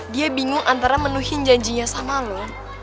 dia bingung antara menuhin janjinya sama lo